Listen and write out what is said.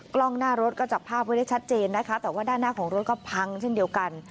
กล้องหน้ารถก็จับภาพไว้ได้ชัดเจนนะคะแต่ว่าด้านหน้าของรถก็พังเช่นเดียวกัน